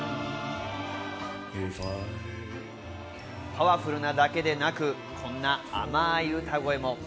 パワフルなだけでなく、こんな甘い歌声も。